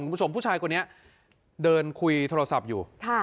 คุณผู้ชมผู้ชายคนนี้เดินคุยโทรศัพท์อยู่